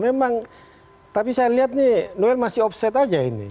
memang tapi saya lihat nih noel masih offset aja ini